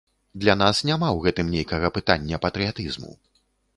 Для нас няма ў гэтым нейкага пытання патрыятызму.